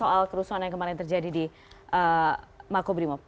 soal kerusuhan yang kemarin terjadi di makobrimob